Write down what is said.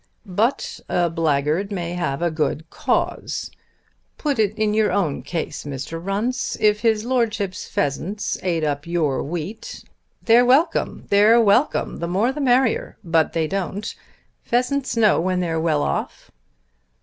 "But a blackguard may have a good cause. Put it in your own case, Mr. Runce. If his Lordship's pheasants ate up your wheat " "They're welcome; they're welcome! The more the merrier. But they don't. Pheasants know when they're well off."